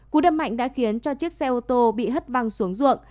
cú đâm mạnh đã khiến cho chiếc xe ô tô bị hất văng xuống ruộng